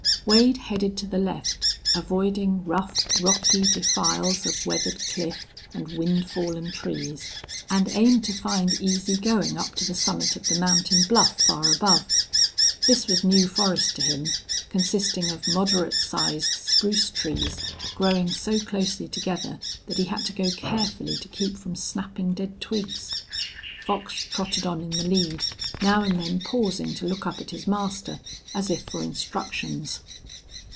Wade headed to the left, avoiding rough, rocky defiles of weathered cliff and wind fallen trees, and aimed to find easy going up to the summit of the mountain bluff far above. This was new forest to him, consisting of moderate sized spruce trees growing so closely together that he had to go carefully to keep from snapping dead twigs. Fox trotted on in the lead, now and then pausing to look up at his master, as if for instructions.